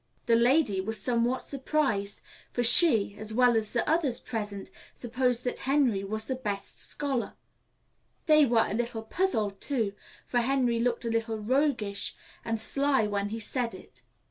"The lady was somewhat surprised, for she, as well as the others present, supposed that Henry was the best scholar; they were all a little puzzled too, for Henry looked a little roguish and sly when he said it.